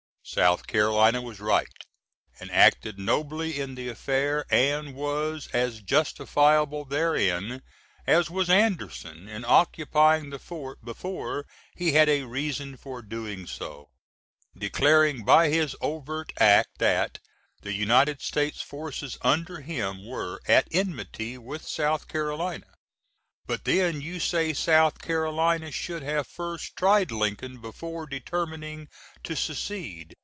S.C. was right, and acted nobly in the affair, and was as justifiable therein, as was Anderson in occupying the Fort before he had a reason for doing so, declaring by his overt act that the U.S. forces under him were at enmity with S.C. But then you say S.C. should have first tried Lincoln before determining to secede.